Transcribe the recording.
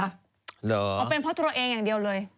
เอาเป็นเพราะตัวเองอย่างเดียวเลย